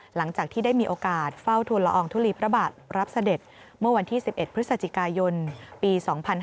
หลังจากที่ได้มีโอกาสเฝ้าทุนละอองทุลีพระบาทรับเสด็จเมื่อวันที่๑๑พฤศจิกายนปี๒๕๕๙